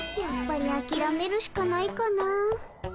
やっぱりあきらめるしかないかな。